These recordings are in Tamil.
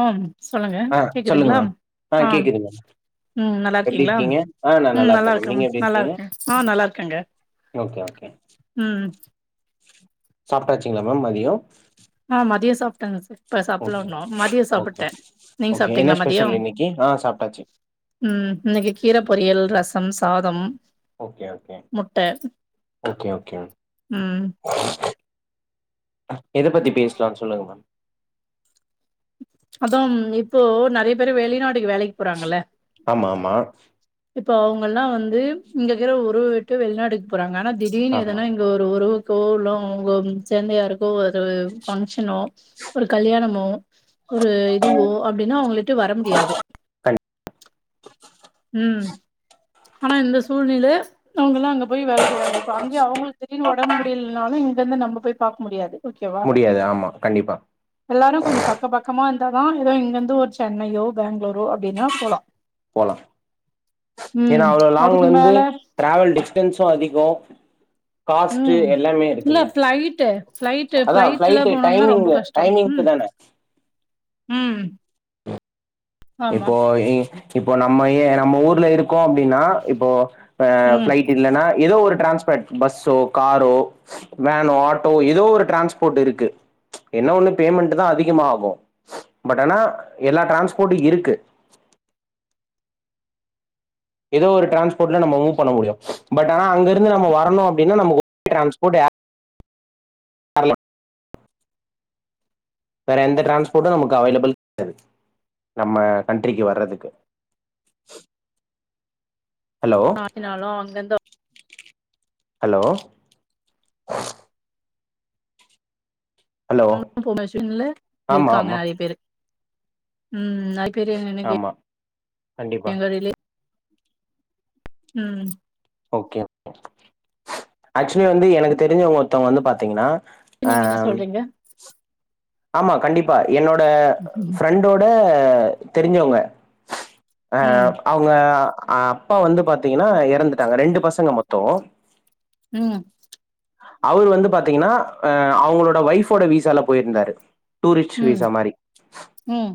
ஆம் சொல்லுங்க ஆ சொல்லுங்க கேக்குதுங்ளா மேம் ஆ ஆம் கேக்குது மேம் ம் நல்லா எப்டி இருக்கீங்ளா இருக்கீங்க ஆ நா ம் இருக்கே நல்லா மேம் இருக்க நீங்க எப்டி நல்லா இருக்கீங்க இருக்க ஆ நல்லா இருக்கேங்க ஓகே ஓகே ம் சாப்டாச்சிங்ளா மேம் மதியோ ஆ மதியோ சாப்ட்டாங்க சார் இப்ப சாப்பட்ல ஓகே உண்ணு மேம் மதியோ ஓகே சாப்ட்டே நீங்க ஓகே என்ன சாப்ட்டீங்ளா ஸ்பெஷல் மதியம் இன்னைக்கு ஆ சாப்ட்டாச்சு ம் இன்னைக்கி கீர பொரியல் ரசம் சாதம் ஓகே ஓகே முட்ட ஓகே ஓகே ம் எத பத்தி பேசலான் சொல்லுங்க மேம் அதாம் இப்போ நெறைய பேரு வெளிநாட்டுக்கு வேலைக்கு போறாங்கல்ல ஆமா ஆமா இப்ப அவுங்கல்லா வந்து இங்க இருக்கிற ஊரு விட்டு வெளிநாட்டுக்கு போறாங்க ஆனா திடீர்னு ஆமா எதனா இங்க ஒரு ஒரு ஒறவுக்கோ லோ அவுங்கோ சென்னையா இருக்கு அது ஒரு பங்க்ஷனோ ஒரு கல்யாணமோ ஒரு இதுவோ அப்டின்னா அவுங்களிட்ட வர முடியாது கண் ம் ஆனா இந்த சூழ்நில அவுங்கல்லா அங்க போய் வேல செய்றாங்க இப்ப அங்கையு அவுங்களுக்கு திடீர்னு ஒடம் முடியலனாலு இங்க இருந்து நம்ம போய் பாக்க முடியாது ஓகேவா முடியாது ஆமா கண்டிப்பா எல்லாரு கொஞ்சோ பக்க பக்கமா இருந்தாதா எதோ இங்கிருந்து ஒரு சென்னையோ பேங்ளூரோ அப்டின்னா போலா போலா ஏனா ம் அவ்ளோ அதுக்கு லாங்லருந்து மேல டிராவல் டிஸ்ட்டன்ஷு அதிகோ காஸ்ட்டு ம் எல்லாமே இல்ல இருக்குல்ல ஃபிளைட்டு ஃபிளைட்டு அதா ஃபிளைட்ல ஃப்ளைட்டு போனோம்னா ரொம்ப டைமிங்கு கஷ்டம் டைமிங்க்கு ம் தான ம் ஆமா இப்போ இ இப்போ நம்ம ஏ நம்ம ஊர்ல இருக்கோ அப்டின்னா இப்போ அ ம் ஃப்ளை இல்லனா எதோ ஒரு டிரான்ஸ்பேட் பஸ்சோ காரோ வேனோ ஆட்டோ எதோ ஒரு டிரான்ஸ்போட் இருக்கு என்ன ஒண்ணு பேமெண்ட்டு தா அதிகமா ஆகு பட் ஆனா எல்லா டிரான்ஸ்போட்டு இருக்கு எதோ ஒரு டிரான்ஸ்போட்ல நம் மூவ் பண்ண முடியு பட் ஆன அங்கிருந்து நம்ம வரணு அப்டின்னா நம்ம ஒ [inaudible] டிரான்ஸ்போர்ட் வர்லா வேற எந்த டிரான்ஸ்போட்டு நமக்கு அவைளபிள் [unintelligible] நம்ம கண்ட்ரிக்கு வர்றதுக்கு ஹலோ இர்ந்தாலு அங்கிர்ந்து ஹலோ ஹலோ [inaudible] லா ஆமா இருக்காங்க ஆமா நெறைய பேரு ம் நெறைய பேரு [unintelligible] ஆமா கண்டிப்பா எங்க ரிலே ம் ஓகே ஆக்சுலி வந்து எனக்கு தெரிஞ்சவங்க ஒர்த்தவங்க வந்து பாத்தீங்கன்னா இப்ப அ நீங்க என்ன சொல்றீங்க ஆமா கண்டிப்பா என்னோட ம் ஃப்ரெண்டோட தெரிஞ்சவங்க அ அ ம் அவுங்க அ அப்பா வந்து பாத்தீங்கன்னா எறந்துட்டாங்க ரெண்டு பசங்க மொத்தோ ம் அவுரு வந்து பாத்தீங்கன்னா அ அவுங்களோட ஒய்ஃபோட வீசாலா போயிருந்தாரு டூரிஸ்ட் ம் வீசா மாரி ம்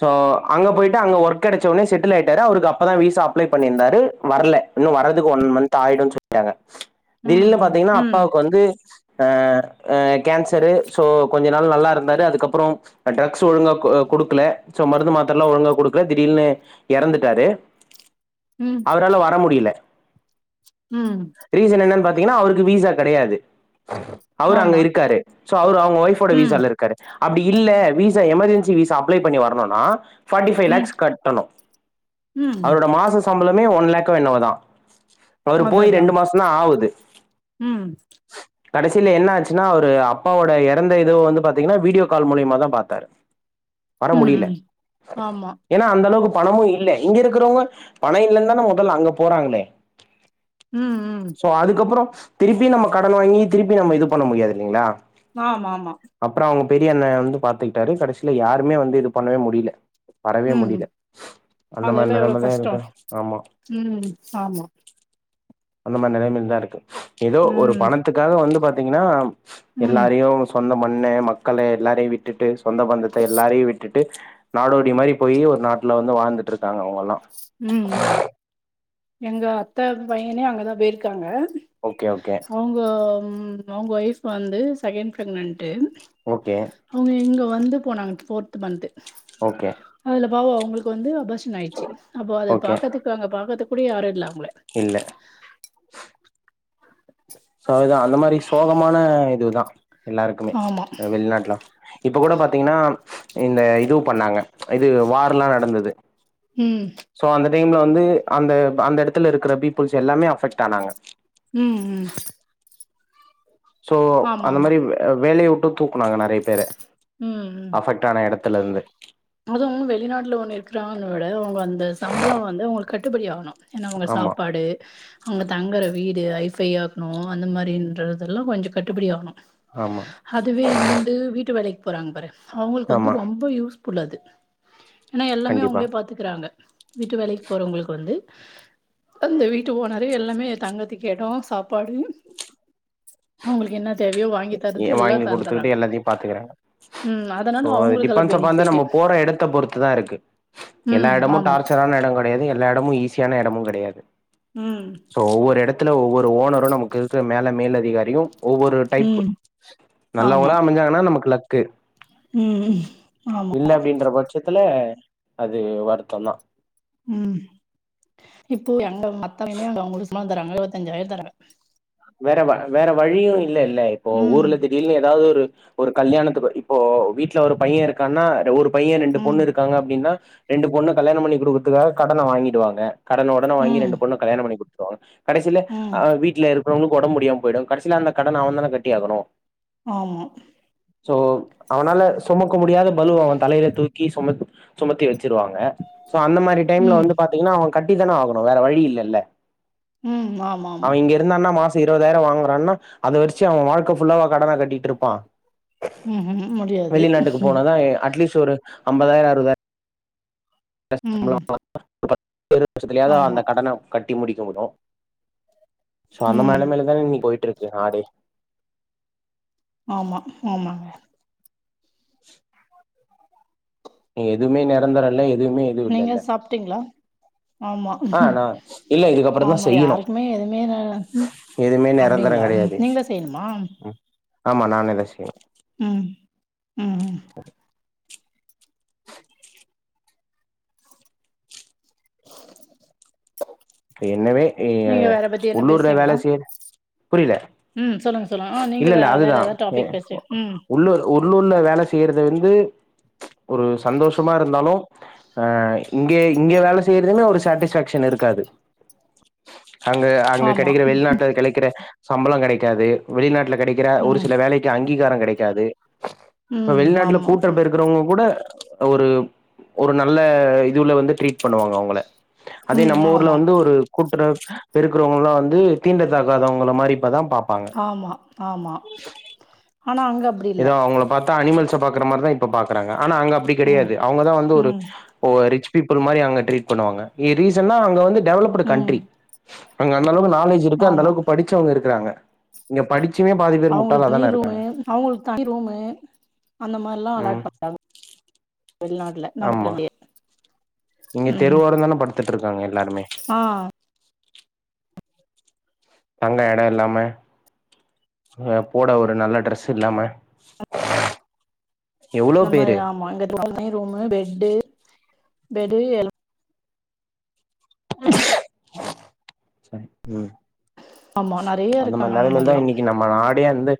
சோ அங்க போயிட்டு அங்க ஒர்க் கெடச்சோனே செட்டில் ஆயிட்டாரு அவருக்கு அப்பதா வீசா அப்ளே பண்ணிருந்தாரு வர்ல இன்னு வர்றதுக்கு ஒன் மந்த் ஆயிடுன் சொல்லிட்டாங்க ம் திடீர்னு பாத்தீங்கன்னா ம் ம் அப்பாவுக்கு வந்து அ அ கேன்சரு சோ கொஞ்ச நாள் நல்லா இருந்தாரு அதுக்கப்றோ ட்ரக்ஸ் ஒழுங்கா அ குடுக்கல சோ மருந்து மாத்திரல்லா ஒழுங்கா குடுக்கல திடீர்னு எறந்துட்டாரு அவரால வர முடியல ம் ரீசன் என்னென் பாத்தீங்கன்னா அவருக்கு வீசா கெடையாது அவுரு அங்க ஆமா இருக்காரு சோ அவுரு அவ்ங்க ஒயிஃப்ஃபோடே ம் வீசால இருக் கரு அப்டி இல்ல வீசா எமர்ஜென்சி வீசா அப்ளே பண்ணி வரணுனா ஃபார்ட்டி ஃபைவ் ம் லேக்ஸ் கட்டனு ம் அவரோட மாசோ சம்பளமே ஒன் லேக்கோ என்னவோ தா அவுரு அதா போய் அதா ரெண்டு மாசந்தா ஆவுது ம் கடைசியில என்ன ஆச்சின்னா அவுரு அப்பாவோட எறந்த இதுவு வந்து பாத்தீங்கன்னா வீடியோ கால் மூலியமா தா பாத்தாரு வர ம் முடியில ம் ஆமா ஏனா அந்த அளவுக்கு பணமு இல்லே இங்க இருக்குறவுங்க பண இல்லன்தான மொதல அங்க போறாங்ளே ம் ம் சோ அதுக்கப்புறோ திருப்பியு நம்ம கடன் வாங்கி திருப்பி நம்ம இது பண்ண முடியாது இல்லைங்ளா ஆமா ஆமா அப்பறோ அவுங்க பெரிய அண்ண வந்து பாத்துக்கிட்டாரு கடைசியில யாருமே வந்து இது பண்ணவே முடியில வரவே ம் முடில அந்த மாரி அதெல்லா எவ்ளோ நெலமதா கஷ்டோ எனக்கு ஆமா ம் சாமா அந்த மாரி நெலமையில் தா இருக்கு ஏதோ ஒரு ம் பணத்துக்காக வந்து பாத்தீங்கன்னா ம் எல்லாரையு சொந்த மண்ணு மக்களு எல்லாரையு விட்டுட்டு சொந்த பந்தத்த எல்லாரையு விட்டுட்டு நாடோடி மாரி போயி ஒரு நாட்ல வந்து வாழ்ந்துட்ருக்காங்க அவுங்கலா ம் எங்க அத்த பையனே அங்கதா போயிருக்காங்க ஓகே ஓகே அவுங்க அவுங்க ஒய்ஃப் வந்து செகண்ட் ப்ரெக்னன்ட்டு ஓகே அவுங்க இங்க வந்து போனாங்க ஃபோர்த்து மந்த்து ஓகே அதுல பாவு அவுங்களுக்கு வந்து அபாஷன் ஆயிச்சு அப்போ அத ஓகே பாக்கதுக்கு அங்க பாக்கது கூட யாரு இல்லாம்ளே இல்ல சோ அதுதா அந்த மாரி சோகமான இதுதா எல்லாருக்குமே ஆமா அ வெள்நாட்லா இப்ப கூட பாத்தீங்கன்னா இந்த இதுவு பண்ணாங்க இது வார்லா நடந்துது ம் சோ அந்த டைம்ல வந்து அந்த அந்த எடத்துல இருக்குற பீப்புள்ஸ் எல்லாமே அஃபெக்ட் ஆனாங்க ம் ம் சோ ஆமா அந்த ஆமா மாரி அ வேலைய உட்டு தூக்குனாங்க நறைய பேர ம் ம் டான எடத்துல இருந்து அது வெளிநாட்ல ஒன்னு இருக்றாங்கன்ன விட அவுங்க அந்த சம்பளோ வந்து அவுங்களுக் கட்டுப்படி ஆவணு ஏனா அவுங்க ஆமா சாப்பாடு அங்க தங்கற வீடு ஐஃபை ஆக்ணு அந்த மாரின்றதெல்லா கொஞ்சோ கட்டுபுடி ஆகணு ஆமா அதுவே இங்கிருந்து வீட்டு வேலைக்கு போறாங்க பாரு அவுங்களுக்கு வந்து ஆமா ரொம்ப யூஸ்புல் அது ஏனா எல்லாமே கண்டிப்பா அவுங்களே பாத்துக்கறாங்க வீட்டு வேலைக் போறவுங்களுக்கு வந்து அந்த வீட்டு ஓனரே எல்லாமே தங்கத்துக்கு எடோ சாப்பாடு அவுங்களுக்கு என்ன தேவையோ வாங்கி எ தரது எல்லா வாங்கி தந்தறாங்க குடுத்துக்கிட்டு எல்லாத்தையு பாத்துக்கறாங்க ம் சோ அதனால அது அவுங்களுக் நல்ல டிபெண்ட்ஸ் பெனிஃபிட் அப்பான் நம்ம போற எடத்த பொறுத்து தா இருக்கு எல்லா ம் எடமு ஆமா டார்ச்சரான எடங்கள் கடையாது எல்லா எடமு ஈஸியான எடமு கடையாது ம் சோ ஒவ்வொரு எடத்துல ஒவ்வொரு ஓனரு நமக்கு இருக்கு மேல மேலதிகாரியு ஒவ்வொரு டைப் ம் ஆமா நல்லவங்களா அமைஞ்சாங்கனா நமக்கு லக்கு ம் ம் ஆமா இல்ல அப்படின்ற பட்ச த்துல அது வருத்தந்தா ம் இப்போ எங்க மத்த எனய அவங்க சும்மா தராங்க இருபத்தஞ்சாயர தராங்க வேற வ வேற வழியு இல்லல்ல இப்போ ம் ஊர்லருந்து பில்லு எதாது ஒரு ஒரு கல்யாணத்துக்கோ இப்போ வீட்ல ஒரு பைய இருக்கான்னா ஒரு பைய ரெண்டு ம் பொண்ணு இருக்காங்க அப்டின்னா ரெண்டு பொண்ணு கல்யாணம் பண்ணி குடுக்கறதுக்காக கடன வாங்கிடுவாங்க கடன உடன வாங்கி ம் ரெண்டு பொண்ண கல்யாண பண்ணி குடுத்துருவாங்க கடைசில ம் அ வீட்ல இரு அப்பற அவங்களுக்கு ஒடம்பு முடியாம போயிடு கடைசில அந்த கடன அவந்தான கட்டியாகணு ஆமா சோ அவனால சுமக்க முடியாத பலுவ அவ தலையில தூக்கி சும சுமத்தி வெச்சிருவாங்க சோ அந்த மாரி டைம்ல ம் வந்து பாத்திங்கனா அவ கட்டி தான ஆகணு வேற வழி இல்லல்ல ம் ஆமாமா இருந்தான்ன மாச இருவதாயிர வாங்கறான்ன அத வெச்சு அவ வாழ்க்க ஃபுல்லாவா கடன கட்டிட்ருப்பா ம்ஹூம் முடியாது வெளிநாட்டுக்கு போனாதா அட்லீஸ்ட் ஒரு அம்பதாயிர அறுவதாயிர ம் பத்து வருஷத்துலயாவது ஆமா அந்த கடன கட்டி முடிக்க முடு சோ அந்த ம் நெலமைலதான இன்னி போயிட்ருக்கு நாடே ஆமா ஆமாங்க எதுமே நெரந்தர இல்ல எதுமே நீங்க சாப்ட்டிங்ளா ஆமா ஆ நா இல்ல இதுக்கப்புறந்தா ஆமா யாருக்குமே எதுமே எதுமே நெரந்தர கெடையாது ஆமா நானே பேசுனே ம் ம் ம் [unintelligible] என்னவே நீங்க வேற பத்தி என்ன உள்ளூர்ல வேல பேசுனீங்களா? செய்ற புரில ம் சொல்லுங்க சொல்லுங்க ஆ நீங்க வே இல்லல்ல வேற அதுதா ஏதாவது டாபிக் பேசுறீ ம் உள்ளூர் உள்ளூர்ல வேல செய்யறது வந்து ஒரு சந்தோஷமா இருந்தாலு ஆ இங்கே இங்கே வேல செய்யறதுமே ஒரு சாட்டிஸ்ஃபேக்ஷன் இருக்காது அங்க அங்க ஆமா கெடைக்கற வெளிநாட்ல கெடைக்கற சம்பள கெடைக்காது வெளிநாட்ல கெடைக் கற ஒரு ம் சில வேலைக்கு அங்கீகார கெடைக்காது இப்ப ம் வெளிநாட்டுல ஆமா கூட்ட பெருக்க றவங்க கூட ஒரு ஒரு நல்ல இதுல வந்து ட்ரீட் பண்ணுவாங்க அவங்கள அதே ம் நம்ம ஊர் ஆமா கூட்ற பெருக்கறவங்கல வந்து தீண்ட தாகாதவங்கள மாரி இப்பதா பாப்பாங்க ஆமா ஆமா ஆனா அங்க அப்படி இல்ல ஏதோ அவங்கள பாத்தா அனிமல்ச பாக்கற மாரிதா இப்ப பாக்கறாங்க ஆனா அங்க அப்டி ம் கெடையாது அவங்கதா வந்து ஒரு ம் இப்போ ரிச் பீப்புள் மாரி அங்க ட்ரீட் பண்ணுவாங்க ரீசன்னா அங்க வந்து டெவலப்டு ம் கண்ட்ரி அங்க அந்த அளவுக்கு நாலேஜ் இருக்கு அந்த ஆமா அளவுக்கு படிச்சவங்க இருக்கறாங்க இங்க படி ச்சிமே பாதிபேரு முட்டாளா தான இருக்காங்க அவங்ளுக்கு தனி ரூமு அந்த மாரிலா ம் அலாட் பண்றாங்க வெளிநாட்ல ஆமா நமக்கண்டே இங்க தெருவோரந்தான படுத்துட்ருக்காங்க எல்லாருமே ஆ தங்க எடோ இல்லாம போட ஒரு நல்ல ட்ரெஸ் இல்லாம எவ்ளோ அந்த பேரு மாரி ஆமா அங்க தனி ரூமு பெட்டு பெட்டு எல்லா சாரி ம் ஆமா நெறைய அந்த மாரி இருக்காங்க நெலமையில் தா மாரிலா இன்னைக்கி நம்ம நாடே வந்த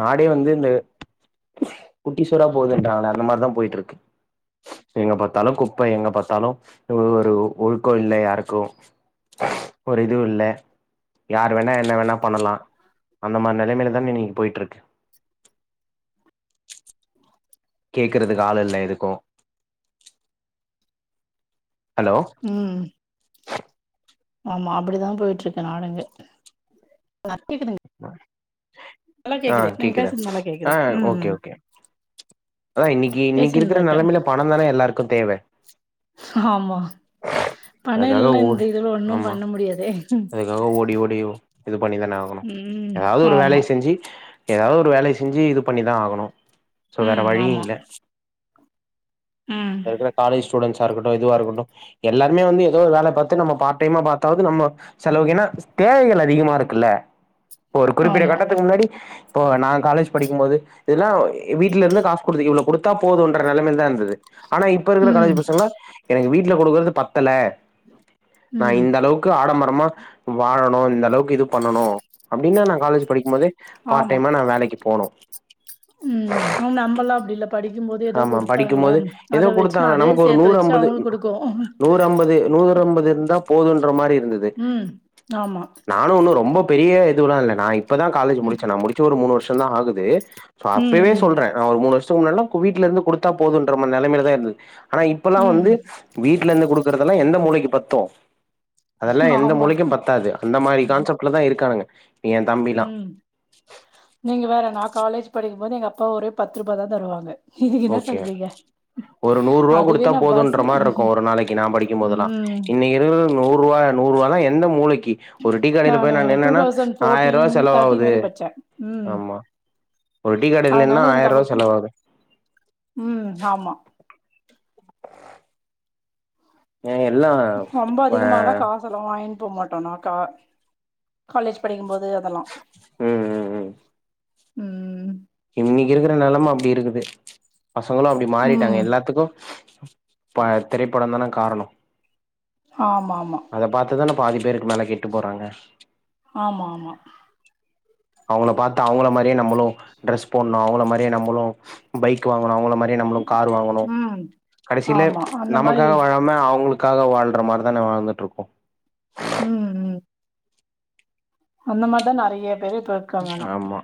நாடே வந்து இந்த குட்டி சுவரா போதுன்றாங்ளே அந்த மாரிதா போயிட்டு இருக்கு எங்க பாத்தாலு குப்ப எங்க பாத்தாலு ஒரு ஒரு ஒழுக்கோ இல்ல யாருக்கு ஒரு இதுவு இல்ல யார் வேணா என்ன வேணா பண்ணலா அந்த மாரி நெலமைல தானே இன்னிக்கி போயிட்டு இருக்கு கேக்கறக்கு ஆளு இல்ல எதுக்கோ ஹலோ ம் ஆமா அப்டிதா போயிட்டு இருக்கு நாடுங்க கேக்குதுங் ஆ நீங்க கேக்குதா பேசுறது நல்லா ஆ கேக்குது ஓகே ம் ஓகே அதா இன்னிக்கி இன்னிக்கி பேசினுதா இருக்கற இருக்கே நெலமையில பணோ தானே எல்லாருக்கு தேவ ஆமா பண அதுக்காக இல்னா ஓ இந்த இதுல ஒன்னு ஆமா பண்ண முடியாதே அதுக்காக ஓடி ஓடியு இது பண்ணிதானே ஆகணு ம் ஏதாவது ஒரு ஆமா வேலய செஞ்சு ஏதாவது ஒரு வேலய செஞ்சு இது பண்ணிதா ஆகணு சோ வேற ம் வழி ஆமா இல்ல ம் இப்ப இருக்குர காலஜ் ஸ்டுடென்ஸ்சா இருட்டு எதுவ இருக்கட்டு எல்லாருமே வந்து ஏதோ ஒரு வேல பாத்து நம்ம பார்டைம்மா பாத்தாவது நம்ம செலவுக்கு என்னா தேவைகள் அதிகமா இருக்குல்ல ஒரு குறிப்பிட்ட ஆமா கட்டத்துக்கு முன்னாடி இப்போ நா காலேஜ் படிக்குபோது இதுல்லா வீட்ல இருந்து காசு குடுத்து இவ்ளோ குடுத்தா போதுன்ற நெலமைல தா இருந்தது ஆனா இப்ப இருக்கற ம் காலேஜ் பசங்கல்லா எனக்கு வீட்ல குடுக்கறது பத்தல நா ம் இந்த அளவு க்கு ஆடம்பரமா வாழணு இந்த அளவுக்கு இது பண்ணணு அப்டின்னா நா காலேஜ் படிக்கும் போதே பார்ட் ஆமா டைமா நா வேலைக்கு போனு ம் ஆம் நம்பல்லா அப்டி இல்ல படிக்கும்போது எதோ ஆமா படிக்கும் குடுத்தாங்ளா போது ஏதோ அத வெச்சின்னா குடுத்தாங்க அதே நமக்கு ஒரு சேத்து நூறு வெச்சி அவுங்க குடுக்கோ வெறும் அம்பது இருந்தா போதுன்ற மாரி இருந்தது ம் ஆமா நானும் ஒன்னும் ரொம்ப பெரிய இதுவுல்லா இல்ல நா இப்பதா காலேஜ் ம் முடிச்சே நா முடிச்சி ஒரு மூணு வருஷம் தா ஆகுது சோ ம் அப்பவே ம் சொல்ற நான் ஒரு மூணு வருஷத்துக்கு முன்னாடில்லா வீட்ல இருந்து குடுத்தா போதுன்ற மாரி நெலமையில தா இருந்தது ஆனா இப்பல்லா ம் வந்து வீட்ல இருந்து குடுக்கறதெல்லா எந்த மூளைக்கு பத்தோ அதெல்லா எந்த ஆமா மூலைக்கு பத்தாது அந்த மாரி கான்செப்ட்ல தா இருக்கானுங்க என் தம்பிலாம். ம் நீங்க வேற நா காலேஜ் படிக்கும் போது எங்க அப்பா ஒரே பத்து ரூபா தா தருவாங்க நீங்க என்ன ஓகே. சொல்றீங்க ஒரு நூறு ரூபா அதுவே குடுத்தா நா போதுன்ற பஸ்ஸு மாரி இருக்கு ஒரு நாளைக்கு நா படிக்கும்போதெல்லா ம் இன்னைக் ஒரே ஒரு நூறு ரூபா நூறு ரூவாலா எந்த மூலைக்கு ஒரு டீ கடையில நானு போய் நா டூ நின்னேன்னா தௌசண்ட் ஆயிர ரூபா ஃபோர்டீன் தேர்ட்டீன் செலவாவுது வரையு படிச்சே ம் ஆமா ஒரு டீ கடையில அதனால நின்னா எனக்கு ஆயிர் அப்ப ரூபா செலவாது ம் ஆமா ஏ எல்லா இப்ப அதெல்லா வாங்கின் போ மாட்டோ நா கா காலேஜ் படிக்கும்போது அதெல்லா ம் ம் ம் ம் இன்னிக்கி இருக்குற நெலம அப்டி இருக்குது பசங்களு அப்டி மாறிட்டாங்க ம் எல்லாத்துக்கு அப்ப திரைப்படம் தானே காரணம் ஆமா ஆமா அத பாத்துதான பாதி பேருக்கு மேல கெட்டு போறாங்க ஆமா ஆமா அவங்கள பாத்து அவங்கள மாரியே நம்மளும் ட்ரெஸ் போடணும் அவங்கள மாரியே நம்மளும் பைக் வாங்கணும் அவங்கள மாரியே நம்மளும் கார் வாங்கணும் ம் கடைசியில ஆமா அந்த மாரி நமக்காக வாழாம அவங்களுக் க்காக வாழ்ற மாரி தான வாழ்ந்துட்டு இருக்கோ ம் ம் அந்த மாரிதா நறைய பேரு இப்ப இருக்காங்க ஆனா ஆமா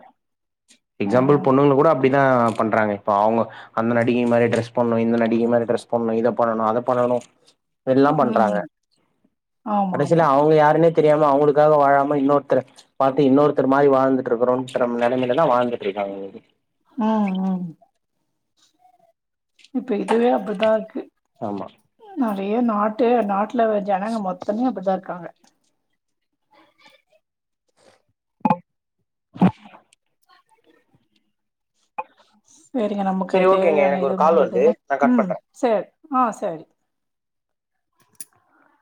எக்ஸாம்பிள் ம் பொண்ணுங்க கூட அப்டிதா பண்றாங்க இப்ப அவங்க அந்த நடிகை மாரி ட்ரெஸ் பண்ணணு இந்த நடிகை மாரி ட்ரெஸ் பண்ணணு இத பண்ணணு அத பண்ணணு எல்லா ம் பண்றாங்க ஆமா ஆமா கடைசில அவங்க யாருன்னே தெரியாம அவங்களுக்காக வாழாம இன்னொருத்த பாத்து இன்னொருத்த இந்த மாதிரி வாழ்ந்துட்டு இருக்கொன்ற நெலமையில தா வாழ்ந்துட்டு இருக்காங்க இன்னைக்கி ம் ம் இப்ப இதுவே அப்டிதா இருக்கு ஆமா நறைய நாட்டு நாட்டு ல்ல ஜனங்க மொத்தமே அப்டிதா இருக்காங்க சரிங்க நமக்கு சரி ஓகேங்க தேவையான எனக்கு ஒரு இது கால் வருது முன்னுதுங்க நா கட் ம் பண்றே சரி ஆ சரி